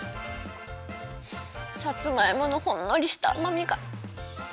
さつまいものほんのりしたあまみがおいしい！